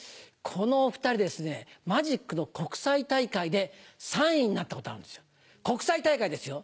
このお２人マジックの国際大会で３位になったことあるんですよ